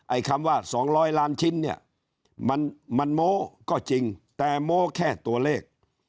คำว่า๒๐๐ล้านชิ้นเนี่ยมันโม้ก็จริงแต่โม้แค่ตัวเลข